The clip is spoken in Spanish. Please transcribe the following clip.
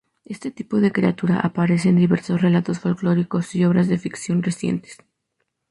Este tipo de criatura aparece en diversos relatos folklóricos y obras de ficción recientes.